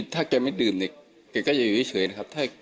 ถ้าแกไม่ดื่มก็จะอยู่เฉยนะครับ